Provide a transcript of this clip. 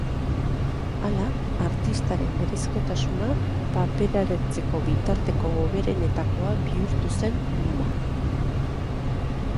Hala, artistaren berezkotasuna papereratzeko bitarteko hoberenetakoa bihurtu zen luma.